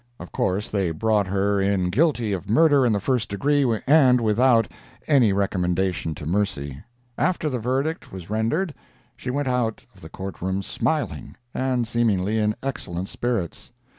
Of course they brought her in guilty of murder in the first degree and without any recommendation to mercy. After the verdict was rendered, she went out of the Court room smiling, and seemingly in excellent spirits.